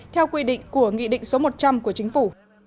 theo quy định của nghị định số một trăm linh của chính phủ